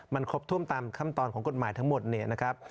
มันครบถ้วนตามขั้นตอนของกฎหมายทั้งหมดเนี่ยนะครับ